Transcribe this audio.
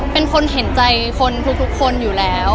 เป็นคนเห็นใจคนทุกคนอยู่แล้ว